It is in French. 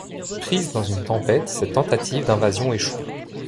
Prise dans une tempête, cette tentative d’invasion échoue.